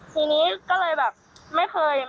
ทีนี้ก็เลยแบบไม่เคย